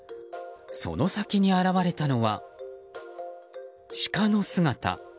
その先に現れたのはシカの姿。